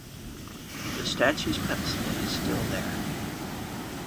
The statue's pedestal is still there.